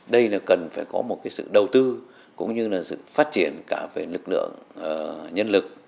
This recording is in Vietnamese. đây là cần phải có một sự đầu tư cũng như là sự phát triển cả về lực lượng nhân lực